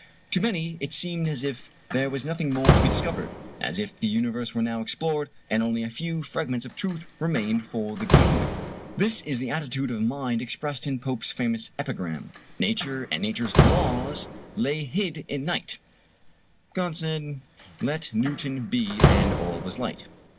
To many it seemed as if there was nothing more to be discovered, as if the universe were now explored, and only a few fragments of truth remained for the gleaner. This is the attitude of mind expressed in Pope's famous epigram: "Nature and Nature's laws lay hid in Night, God said, Let Newton be, and all was light."